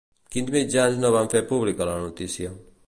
Quins mitjans no van fer pública la notícia?